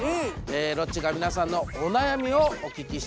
ロッチが皆さんのお悩みをお聞きしてるんですよ。